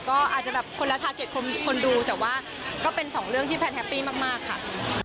ก็อาจจะแบบคนละทาเก็ตคนดูแต่ว่าก็เป็นสองเรื่องที่แพนแฮปปี้มากค่ะ